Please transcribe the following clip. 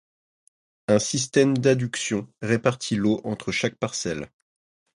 Un système d'adduction répartit l'eau entre chaque parcelle.